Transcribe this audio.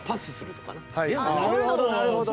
なるほどなるほど。